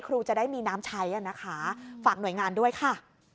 ครูจะได้มีน้ำใช้นะคะฝากหน่วยงานด้วยค่ะ